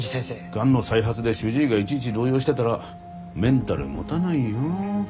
がんの再発で主治医がいちいち動揺してたらメンタル持たないよ。